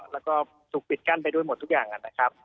แล้วก็ถูกปิดกั้นไปด้วยหมดทุกอย่างนะครับ